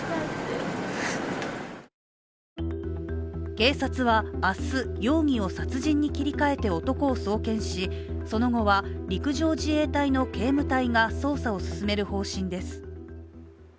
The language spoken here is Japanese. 警察は明日、容疑を殺人に切り替えて男を送検しその後は陸上自衛隊の警務隊が捜査を進める方針です。